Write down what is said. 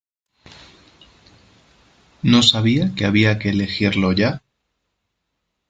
No sabía que había que elegirlo ya.